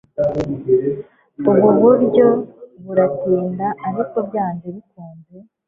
Ubu buryo buratinda ariko byanze bikunze